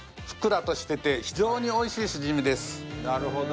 なるほど。